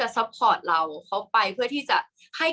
กากตัวทำอะไรบ้างอยู่ตรงนี้คนเดียว